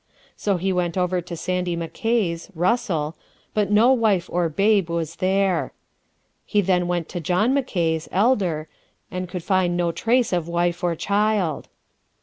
So he went over to Sandy MacKay's (Russell), but no wife or babe was there. He then went on to John MacKay's (Elder), but could find no trace of wife or child.